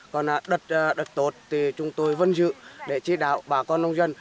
còn đợt tốt thì chúng tôi vẫn giữ để trị đáo bà con nông dân